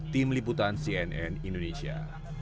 tim liputan cnn indonesia